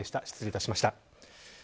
失礼いたしました。